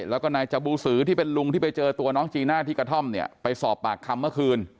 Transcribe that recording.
แล้วก็นายจบูสือที่เป็นลุงที่ไปเจอตัวน้องจีน่าที่กระท่อมเนี่ยไปสอบปากคำเมื่อคืน